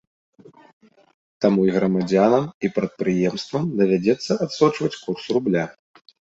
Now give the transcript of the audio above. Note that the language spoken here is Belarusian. Таму і грамадзянам і прадпрыемствам давядзецца адсочваць курс рубля.